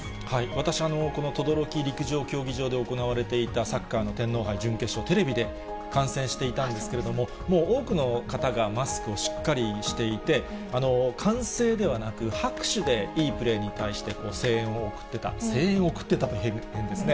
私、このとどろき陸上競技場で行われていたサッカーの天皇杯準決勝、テレビで観戦していたんですけれども、多くの方がマスクをしっかりしていて、歓声ではなく、拍手でいいプレーに対して、声援を送ってた、声援を送ってたというのは変ですね。